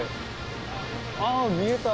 あっ見えた。